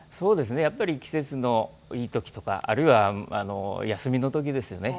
やっぱり季節のいいときとかあるいは休みのときですよね。